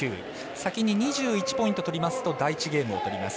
先に２１ポイント取りますと第１ゲームを取ります。